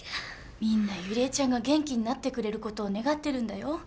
みんなゆりえちゃんが元気になってくれる事を願ってるんだよ。